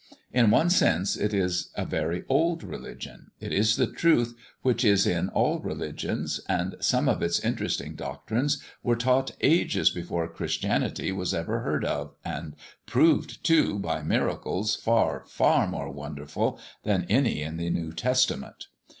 In one sense, it is a very old religion; it is the truth which is in all religions, and some of its interesting doctrines were taught ages before Christianity was ever heard of, and proved, too, by miracles far far more wonderful than any in the New Testament.